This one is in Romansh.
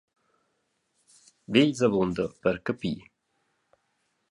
Vegls avunda per capir.